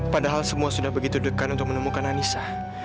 padahal semua sudah begitu dekat untuk menemukan anissa